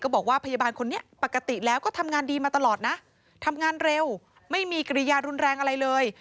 บอกว่าพยาบาลคนนี้ปกติแล้วก็ทำงานดีมาตลอดนะทำงานเร็วไม่มีกิริยารุนแรงอะไรเลย